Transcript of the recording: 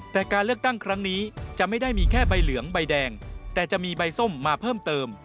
แต่การเลือกตั้งครั้งนี้จะไม่ได้มีแค่ใบเหลืองใบแดงแต่จะมีใบส้มมาเพิ่มเติม